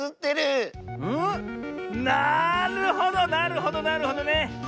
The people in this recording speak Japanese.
なるほどなるほどなるほどね。